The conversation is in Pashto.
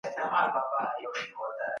ښاغلي ببرک میاخیل د کومو ستونزو یادونه وکړه؟